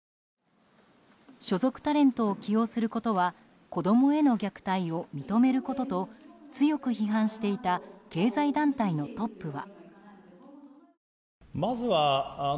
所属タレントを起用することは子供への虐待を認めることと強く批判していた経済団体のトップは。